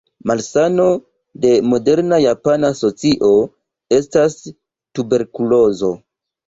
Malsano de moderna japana socio estas tuberkulozo.